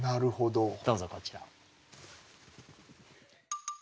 どうぞこちらを。